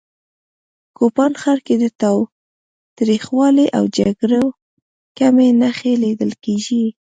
کوپان ښار کې د تاوتریخوالي او جګړو کمې نښې لیدل کېږي